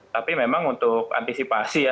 tapi memang untuk antisipasi ya